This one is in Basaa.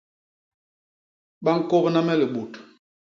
Ba ñkôbna me libut.